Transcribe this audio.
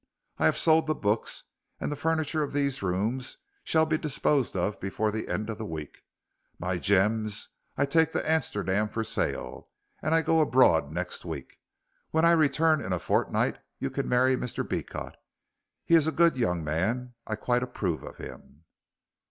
I have sold the books; and the furniture of these rooms shall be disposed of before the end of the week. My gems I take to Amsterdam for sale, and I go abroad next week. When I return in a fortnight you can marry Mr. Beecot. He is a good young man. I quite approve of him."